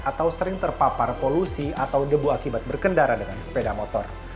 atau sering terpapar polusi atau debu akibat berkendara dengan sepeda motor